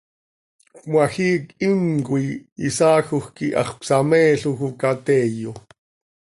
Cmajiic himcoi isaajoj quih hax cösahmeeloj oo ca teeyo.